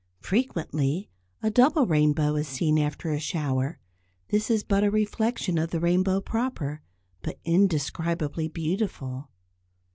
Frequently a double rainbow is seen after a shower; this is but a reflection of the rainbow proper, but indescribably beautiful.